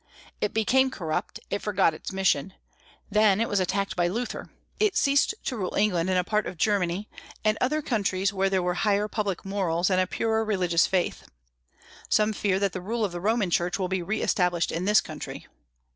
It became corrupt; it forgot its mission. Then it was attacked by Luther. It ceased to rule England and a part of Germany and other countries where there were higher public morals and a purer religious faith. Some fear that the rule of the Roman Church will be re established in this country.